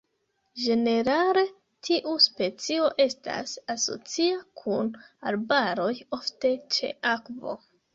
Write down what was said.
Ĝenerale tiu specio estas asocia kun arbaroj, ofte ĉe akvo.